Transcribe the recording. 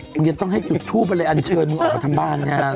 มึงยังต้องให้จุดทรูปอะไรอันเชิญมึงออกมาทำบ้านง่าหรอ